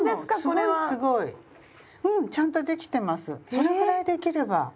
それぐらいできれば。